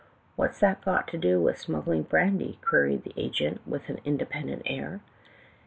"'What's that got to do with smuggling brandy ?' queried the agent, with an independent air.